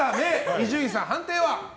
伊集院さん、判定は？